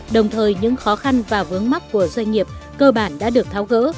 đồng thời những khó khăn và vướng mắc của doanh nghiệp cơ bản đã được tháo gỡ